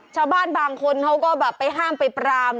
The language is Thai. ชาวบ้านบางคนเขาก็แบบไปห้ามไปปราม